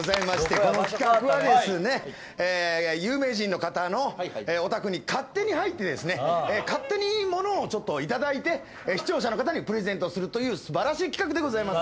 有名人の方のお宅に勝手に入って勝手にいいものをいただいて視聴者の方にプレゼントするという素晴らしい企画でございます。